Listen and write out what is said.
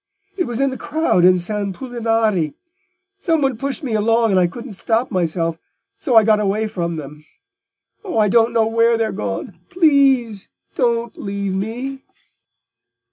It was in the crowd in San Pulinari—somebody pushed me along and I couldn't stop myself, so I got away from them. Oh, I don't know where they're gone! Please, don't leave me!"